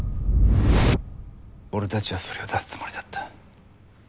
俺たちはそれを出すつもりだった。